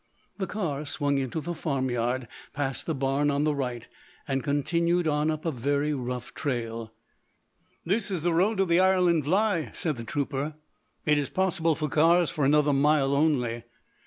The car swung into the farm yard, past the barn on the right, and continued on up a very rough trail. "This is the road to the Ireland Vlaie," said the trooper. "It is possible for cars for another mile only."